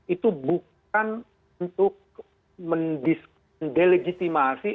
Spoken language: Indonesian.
itu bukan untuk mendiskriminasi